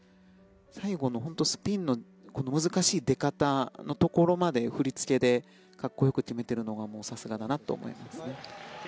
最後のスピンの難しい出方のところまで振り付けでかっこよく決めてるのがさすがだなと思いますね。